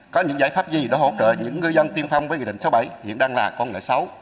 có những giải pháp gì để hỗ trợ những ngư dân tiên phong với nghị định sáu mươi bảy hiện đang là con nợ sáu